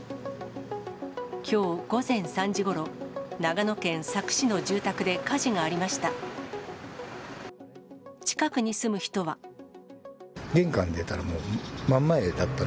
きょう午前３時ごろ、長野県佐久市の住宅で火事がありました。